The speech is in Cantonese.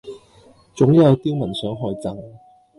總有刁民想害朕